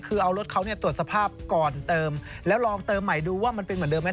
คือเอารถเขาเนี่ยตรวจสภาพก่อนเติมแล้วลองเติมใหม่ดูว่ามันเป็นเหมือนเดิมไหม